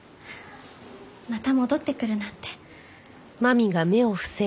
また戻ってくるなんて。